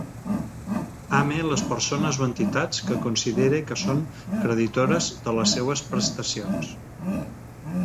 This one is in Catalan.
Ame les persones o entitats que considere que són creditores de les seues prestacions.